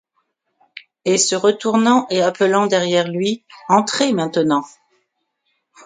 Et se retournant et appelant derrière lui: — Entrez maintenant!